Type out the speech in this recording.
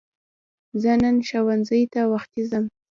زه نن ښوونځی ته وختی ځم